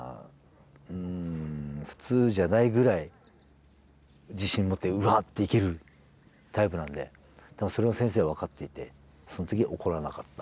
うん普通じゃないぐらい自信持ってうわっていけるタイプなんで多分それを先生は分かっていてその時怒らなかったっていうね。